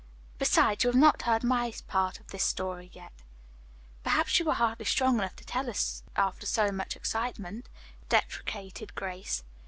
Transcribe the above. Besides, you have not heard my part of this story yet." "Perhaps you are hardly strong enough to tell us after so much excitement," deprecated Grace.